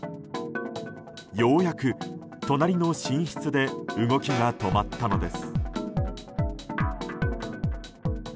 ようやく隣の寝室で動きが止まったのです。